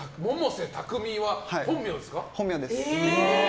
本名です。